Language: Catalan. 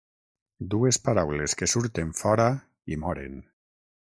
Dues paraules que surten fora i moren.